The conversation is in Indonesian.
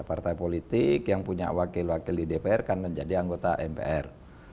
partai politik yang punya wakil wakil di dpr kan menjadi anggota mpr